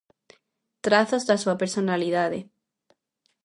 Trazos da súa personalidade.